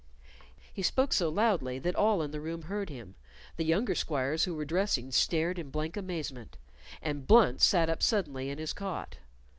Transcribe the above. He spoke so loudly that all in the room heard him; the younger squires who were dressing stared in blank amazement, and Blunt sat up suddenly in his cot.